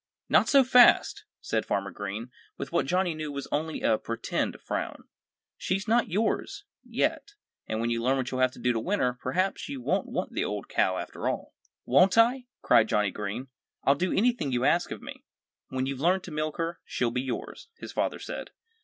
"Not so fast!" said Farmer Green, with what Johnnie knew was only a "pretend" frown. "She's not yours yet. And when you learn what you'll have to do to win her perhaps you won't want the old cow after all." "Won't I?" cried Johnnie Green. "I'll do anything you ask of me!" "When you've learned to milk her, she'll be yours," his father said.